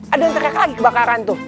ada yang terkena lagi kebakaran tuh